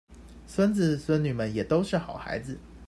孫子孫女們也都是好孩子